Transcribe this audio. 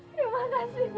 terima kasih bu